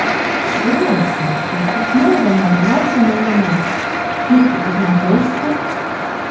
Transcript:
"Sure!" said Peaches. "None of them have a nicer name than that! Mickey, is my bow straight?"